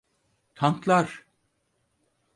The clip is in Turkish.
Tanklar…